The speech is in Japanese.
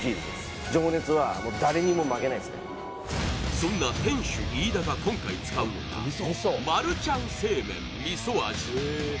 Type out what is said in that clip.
そんな店主・飯田が今回使うのがマルちゃん正麺味噌味。